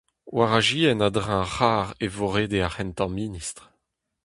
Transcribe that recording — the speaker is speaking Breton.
War azezenn a-dreñv ar c'harr e vorede ar C'hentañ Ministr.